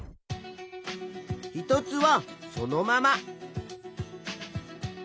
一つはそのまま。